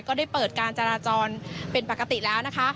ก็ได้เปิดการจราจรเป็นปกติแล้วนะคะ